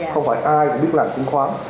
không phải ai cũng biết làm chứng khoán